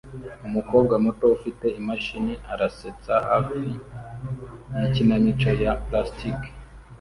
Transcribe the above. Umukobwa muto ufite imashini arasetsa hafi yikinamico ya plastike